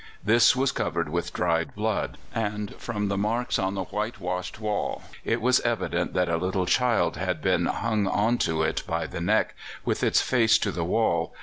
This was covered with dried blood, and from the marks on the whitewashed wall it was evident that a little child had been hung on to it by the neck, with its face to the wall.